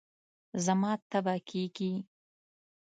زما تبه کېږي